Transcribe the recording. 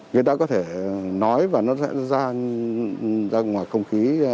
người ta có thể nói và nó sẽ ra ngoài không khí